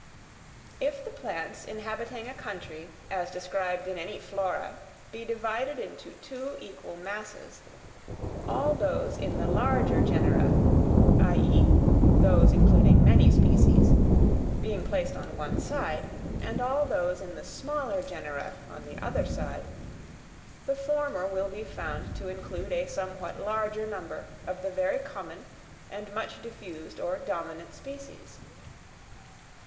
_ If the plants inhabiting a country as described in any Flora, be divided into two equal masses, all those in the larger genera (i.e., those including many species) being placed on one side, and all those in the smaller genera on the other side, the former will be found to include a somewhat larger number of the very common and much diffused or dominant species.